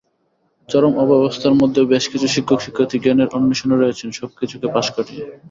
চরম অব্যবস্থার মধ্যেও বেশ কিছু শিক্ষক-শিক্ষার্থী জ্ঞানের অন্বেষণে রয়েছেন সবকিছুকে পাশ কাটিয়ে।